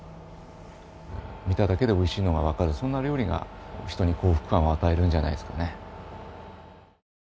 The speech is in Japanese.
見ただけでおいしいのがわかるそんな料理が人に幸福感を与えるんじゃないですかね。